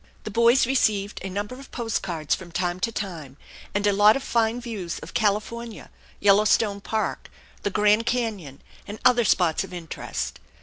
The boys received a number of post cards from time to time, and a lot of fine views of California, Yellowstone Park, the Grand Canon, and other spots of interest.